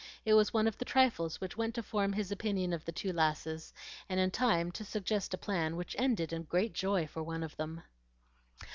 It was one of the trifles which went to form his opinion of the two lasses, and in time to suggest a plan which ended in great joy for one of them.